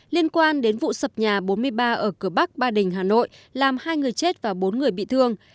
liên quan đến vụ sập nhà bốn mươi ba ở cửa bắc ba đình hà nội làm hai người chết và bốn người bị thương